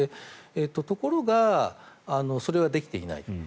ところが、それができていない。